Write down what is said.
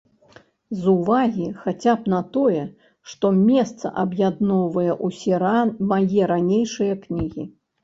З увагі хаця б на тое, што месца аб'ядноўвае ўсе мае ранейшыя кнігі.